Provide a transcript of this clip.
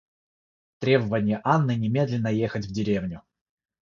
Требование Анны немедленно ехать в деревню.